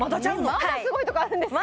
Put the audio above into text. まだすごいとこあるんですか？